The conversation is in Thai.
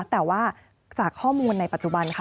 แต่ว่าจากข้อมูลในปัจจุบันค่ะ